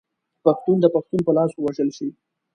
پښتون د پښتون په لاس ووژل شي.